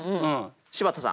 柴田さん